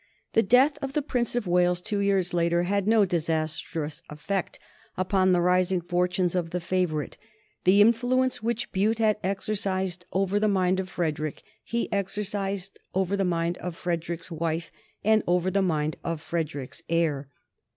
The death of the Prince of Wales two years later had no disastrous effect upon the rising fortunes of the favorite. The influence which Bute had exercised over the mind of Frederick he exercised over the mind of Frederick's wife and over the mind of Frederick's heir.